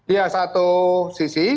ya satu sisi